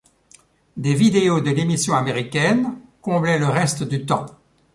Des vidéos de l'émission américaine comblaient le reste du temps.